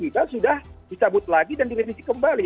tiba tiba sudah dicabut lagi dan direvisi kembali